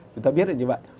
chúng ta biết là như vậy